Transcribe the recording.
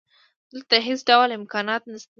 دلته هېڅ ډول امکانات نشته